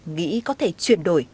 nghĩ có thể chuyển đổi